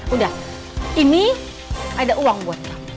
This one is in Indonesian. udah ini ada uang buat kamu